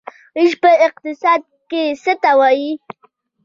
ویش په اقتصاد کې څه ته وايي؟